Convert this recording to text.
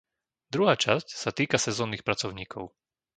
Druhá časť sa týka sezónnych pracovníkov.